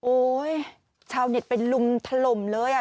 ชาวเน็ตเป็นลุมถล่มเลยอ่ะ